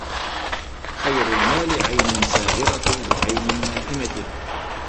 خَيْرُ الْمَالِ عَيْنٌ سَاهِرَةٌ لِعَيْنٍ نَائِمَةٍ